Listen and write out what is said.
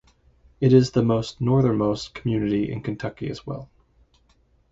It is the most northernmost community in Kentucky as well.